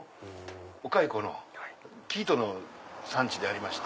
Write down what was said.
お蚕の生糸の産地でありまして。